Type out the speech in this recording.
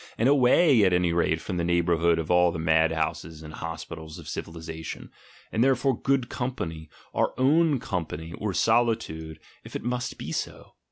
and away, at any rate, from the neighbourhood of all the madhouses and hospitals of civilisation! And therefore good company, our own company, or solitude, if it must be so!